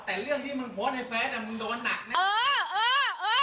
แต่เรื่องที่มึงโพสให้แฟสมึงโดนหนักนี่